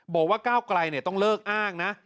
บอกว่าก้าวไกลต้องเลิกอ้างนะ